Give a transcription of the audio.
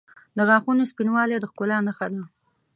• د غاښونو سپینوالی د ښکلا نښه ده.